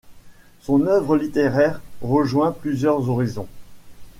Son œuvre littéraire rejoint plusieurs horizons.